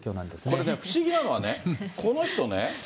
これね、不思議なのはね、この人ね。